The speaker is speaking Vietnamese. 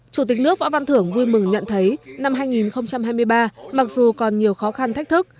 chủ tịch nước võ văn thưởng vui mừng nhận thấy năm hai nghìn hai mươi ba mặc dù còn nhiều khó khăn thách thức